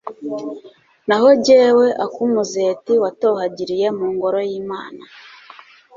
Naho jyewe ak’umuzeti watohagiriye mu Ngoro y’Imana